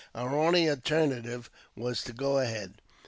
Our only alternative was to go ahead.